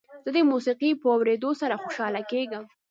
زه د موسیقۍ په اورېدو سره خوشحاله کېږم.